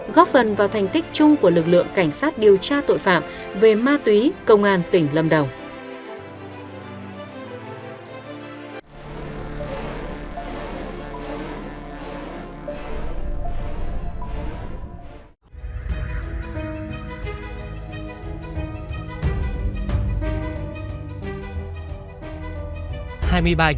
góp phần vào thành tích chung của lực lượng cảnh sát điều tra tội phạm về ma túy công an tỉnh lâm đồng